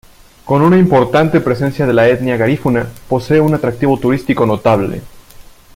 Con una importante presencia de la etnia garífuna, posee un atractivo turístico notable.